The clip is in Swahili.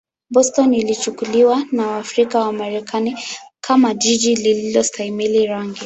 Boston ilichukuliwa na Waafrika-Wamarekani kama jiji lisilostahimili rangi.